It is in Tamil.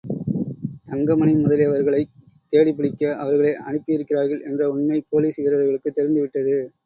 தங்கமணி முதலியவர்களைத் தேடிப்பிடிக்க அவர்களை அனுப்பியிருக்கிறார்கள் என்ற உண்மை போலீஸ் வீரர்களுக்குத் தெரிந்துவிட்டது.